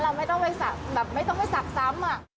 เราไม่ต้องไปสักซ้ำ